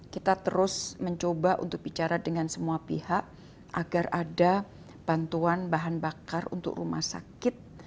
kita terus mencoba untuk bicara dengan semua pihak agar ada bantuan bahan bakar untuk rumah sakit